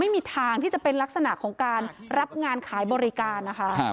ไม่มีทางที่จะเป็นลักษณะของการรับงานขายบริการนะคะ